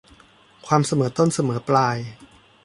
ความเสมอต้นเสมอปลาย